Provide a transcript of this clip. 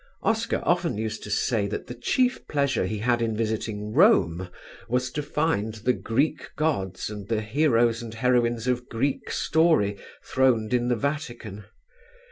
Oscar used often to say that the chief pleasure he had in visiting Rome was to find the Greek gods and the heroes and heroines of Greek story throned in the Vatican.